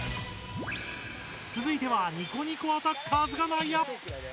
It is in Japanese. つづいてはニコニコアタッカーズが内野。